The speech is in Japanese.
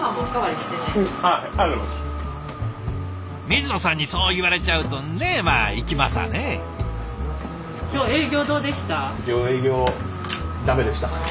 水野さんにそう言われちゃうとねえまあいきますわね。